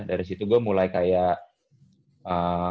dari situ gue mulai kayak